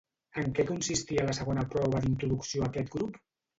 En què consistia la segona prova d'introducció a aquest grup?